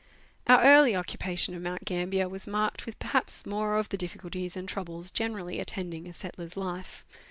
Our early occupation of Mount Gambler was marked with perhaps more of the difficulties and troubles generally attending a settler's life.